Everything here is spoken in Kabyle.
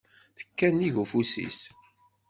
Tekka nnig ufus-is.